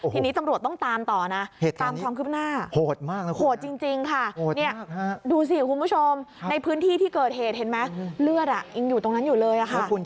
ทีนี้สำรวจต้องตามต่อตามพรวมคลิปหน้า